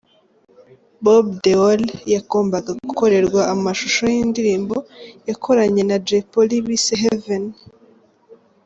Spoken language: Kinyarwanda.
Bob Deol yagombaga gukorerwa amashusho y'indirimbo yakoranye na Jay Polly bise 'Heaven'.